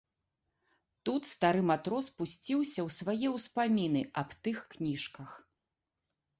Тут стары матрос пусціўся ў свае ўспаміны аб тых кніжках.